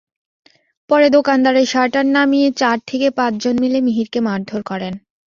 পরে দোকানের শার্টার নামিয়ে চার থেকে পাঁচজন মিলে মিহিরকে মারধর করেন।